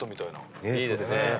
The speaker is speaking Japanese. いいですね。